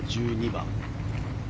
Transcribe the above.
１２番。